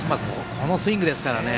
このスイングですからね。